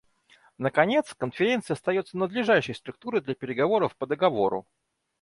Наконец, Конференция остается надлежащей структурой для переговоров по договору.